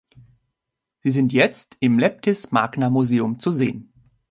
Sie sind jetzt im Leptis Magna Museum zu sehen.